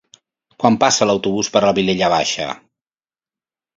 Quan passa l'autobús per la Vilella Baixa?